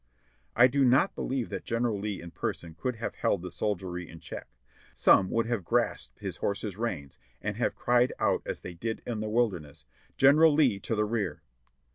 I do not believe that General Lee in person could have held the sol diery in check; some would have grasped his horse's reins and have cried out as they did in the Wilderness, "General Lee to the OFF DUTY 567 rear!"